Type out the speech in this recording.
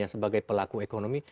sebagai pelaku ekonomi